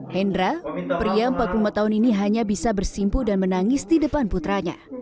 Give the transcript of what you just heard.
hendra pria empat puluh lima tahun ini hanya bisa bersimpu dan menangis di depan putranya